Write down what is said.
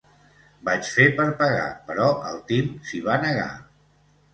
Vaig fer per pagar però el Tim s'hi va negar.